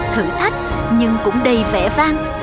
thử thách nhưng cũng đầy vẻ vang